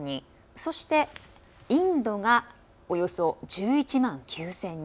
そして、インドがおよそ１１万９０００人。